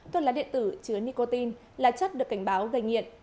thuốc lá điện tử chứa nicotine là chất được cảnh báo gây nghiện